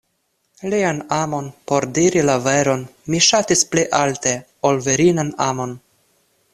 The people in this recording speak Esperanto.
Lian amon por diri la veron mi ŝatis pli alte, ol virinan amon.